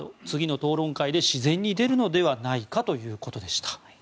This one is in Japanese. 次の討論会で自然に出るのではないかということでした。